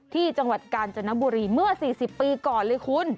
ที่จังหวัดกาญจนบุรีเมื่อ๔๐ปีก่อนเลยคุณ